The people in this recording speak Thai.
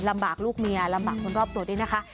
ลำบากลูกเมียลำบากคนรอบตัวด้วยนะคะ